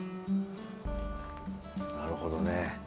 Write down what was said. なるほどね。